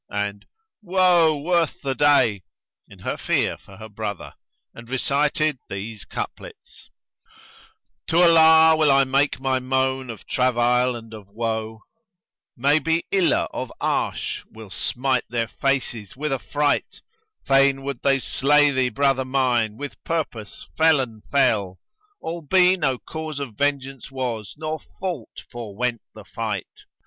and, "Woe worth the day!" in her fear for her brother, and recited these couplets, "To Allah will I make my moan of travail and of woe, * Maybe Iláh of Arsh[FN#121] will smite their faces with affright: Fain would they slay thee, brother mine, with purpose felon fell; * Albe no cause of vengeance was, nor fault forewent the fight.